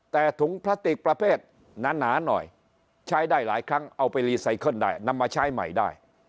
แต่ถุงพลาสติกประเภทหนาหน่อยใช้ได้หลายครั้งเอาไปรีไซเคิลได้นำมาใช้ใหม่ได้